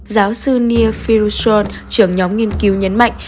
giáo sư neil firushon trưởng nhóm nghiên cứu nhấn mạnh